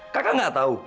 kakak gak tahu